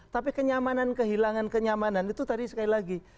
tapi kenyamanan kehilangan kenyamanan itu tadi sekali lagi